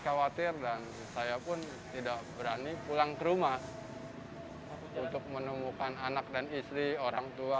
khawatir dan saya pun tidak berani pulang ke rumah untuk menemukan anak dan istri orang tua